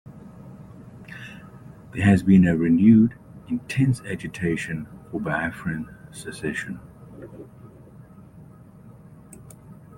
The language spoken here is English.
There has been a renewed, intense agitation for Biafran secession.